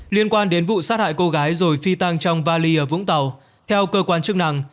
liên quan đến vụ sát hại cô gái rồi phi tăng trong vali ở vũng tàu theo cơ quan chức năng